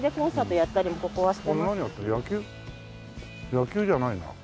野球じゃないな。